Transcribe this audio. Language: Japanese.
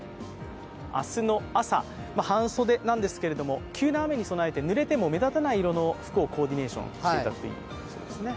明日の朝、半袖なんですけれども、急な雨に備えてぬれても目立たない色の服をコーディネーションしていただくといいですね。